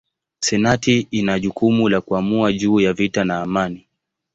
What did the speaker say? Senati ina jukumu la kuamua juu ya vita na amani.